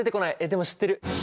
でも知ってる！